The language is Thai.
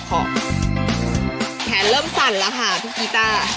แขนเริ่มสั่นแล้วค่ะพี่กีต้า